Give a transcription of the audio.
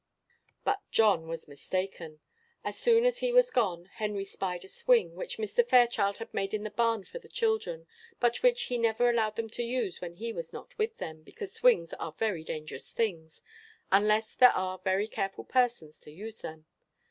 But John was mistaken. As soon as he was gone, Henry spied a swing, which Mr. Fairchild had made in the barn for the children, but which he never allowed them to use when he was not with them, because swings are very dangerous things, unless there are very careful persons to use them.